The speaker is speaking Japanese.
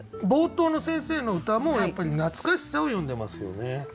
冒頭の先生の歌もやっぱり懐かしさを詠んでますよね。